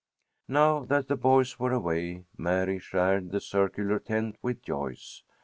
Now that the boys were away, Mary shared the circular tent with Joyce.